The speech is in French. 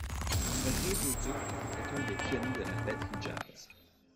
Ray Bauduc est un des pionniers de la batterie jazz.